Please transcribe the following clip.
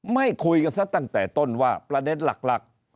ไม่คุยกันซะตั้งแต่ต้นว่าประเด็นหลัก